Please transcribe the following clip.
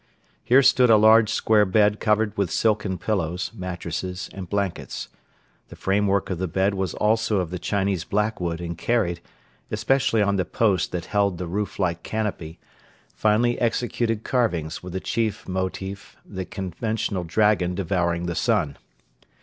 Here stood a large square bed covered with silken pillows, mattresses and blankets. The frame work of the bed was also of the Chinese blackwood and carried, especially on the posts that held the roof like canopy, finely executed carvings with the chief motive the conventional dragon devouring the sun.